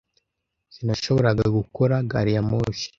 Sinashoboraga gukora gari ya moshi.